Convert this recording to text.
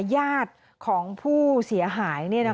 ญาติของผู้เสียหาย